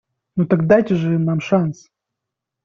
Ну так дайте же нам шанс.